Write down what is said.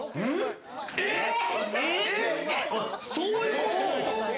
そういうこと？